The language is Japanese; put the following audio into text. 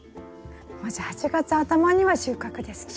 もうじゃあ８月頭には収穫ですね。